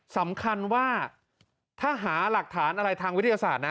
สำคัญว่าถ้าหาหลักฐานอะไรทางวิทยาศาสตร์นะ